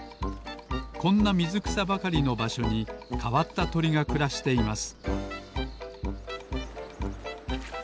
こんなみずくさばかりのばしょにかわったとりがくらしています